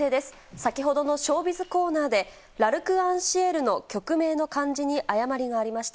先ほどのショービズコーナーで、ＬｒｃｅｎＣｉｅｌの曲名の漢字に誤りがありました。